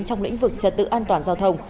trong lĩnh vực trật tự an toàn giao thông